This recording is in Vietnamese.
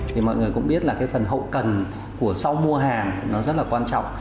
thì mọi người cũng biết là cái phần hậu cần của sau mua hàng nó rất là quan trọng